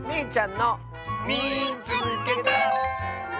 「みいつけた！」。